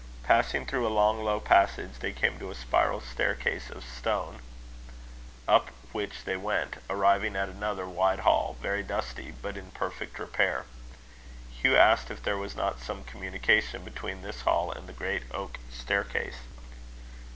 Passing through a long low passage, they came to a spiral staircase of stone, up which they went, arriving at another wide hall, very dusty, but in perfect repair. Hugh asked if there was not some communication between this hall and the great oak staircase.